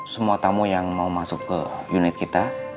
semua tamu yang mau masuk ke unit kita